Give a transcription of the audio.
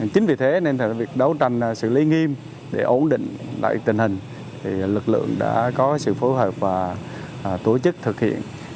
chính vì thế nên việc đấu tranh xử lý nghiêm để ổn định lại tình hình lực lượng đã có sự phối hợp và tổ chức thực hiện